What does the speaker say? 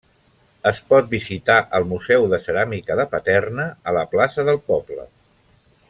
Es pot visitar el Museu de Ceràmica de Paterna a la plaça del poble.